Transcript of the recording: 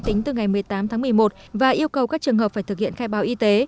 tính từ ngày một mươi tám tháng một mươi một và yêu cầu các trường hợp phải thực hiện khai báo y tế